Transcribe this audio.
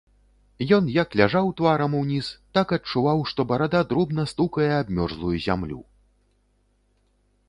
Ён як ляжаў тварам уніз, так адчуваў, што барада дробна стукае аб мёрзлую зямлю.